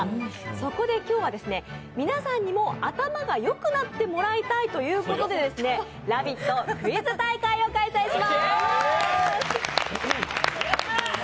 そこで今日は、皆さんにも頭が良くなってもらいたいということでラヴィットクイズ大会を開催しまーす。